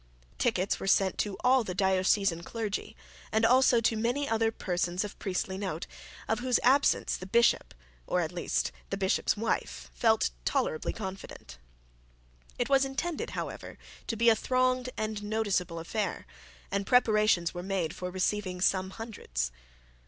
Tickets were sent to all the diocesan clergy, and also to many other persons of priestly note, of whose absence the bishop, or at least the bishop's wife, felt tolerably confident. It was intended, however, to be a thronged and noticeable affair, and preparations were made for receiving some hundreds.